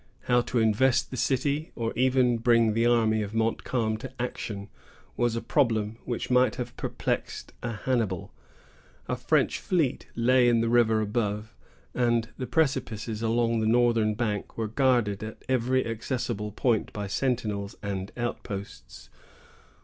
How to invest the city, or even bring the army of Montcalm to action, was a problem which might have perplexed a Hannibal. A French fleet lay in the river above, and the precipices along the northern bank were guarded at every accessible point by sentinels and outposts.